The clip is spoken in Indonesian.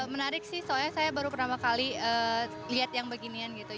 menarik sih soalnya saya baru pertama kali lihat yang beginian gitu